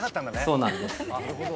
そうなんです。